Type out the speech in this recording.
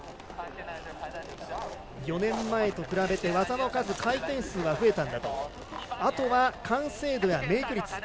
４年前と比べて技の数、回転数が増えたとあとは完成度やメイク率。